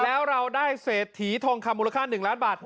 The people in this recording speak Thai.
แล้วเราได้เศรษฐีทองคำมูลค่า๑ล้านบาท